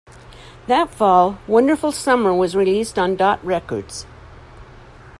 That fall, "Wonderful Summer" was released on Dot Records.